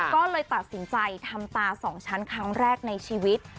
ก็เลยตัดสินใจทำตา๒ชั้นครั้งแรกในชีวิต